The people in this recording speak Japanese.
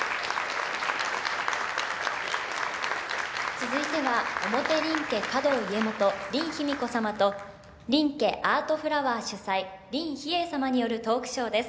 続いては表林家華道家元林秘美子さまと林家アートフラワー主催林秘影さまによるトークショーです。